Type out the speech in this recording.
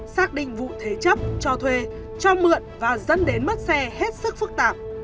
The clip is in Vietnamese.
xác định vụ thế chấp cho thuê cho mượn và dẫn đến mất xe hết sức phức tạp